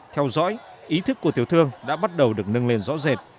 theo dõi ý thức của tiểu thương đã bắt đầu được nâng lên rõ rệt